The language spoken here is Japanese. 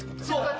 そう。